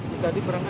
jalan ini berantakan